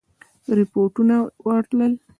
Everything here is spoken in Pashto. رپوټونه ورتلل.